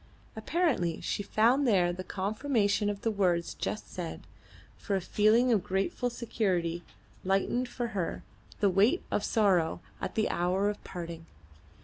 Apparently she found there the confirmation of the words just said, for a feeling of grateful security lightened for her the weight of sorrow at the hour of parting.